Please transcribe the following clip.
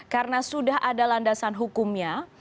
karena sudah ada landasan hukumnya